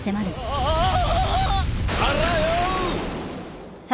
あらよ！